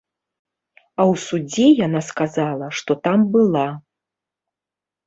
А ў судзе яна сказала, што там была.